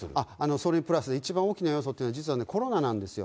それにプラスで、一番大きな要素というのが、実はね、コロナなんですよ。